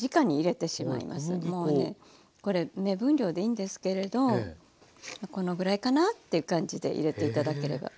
もうねこれ目分量でいいんですけれどこのぐらいかなっていう感じで入れて頂ければ。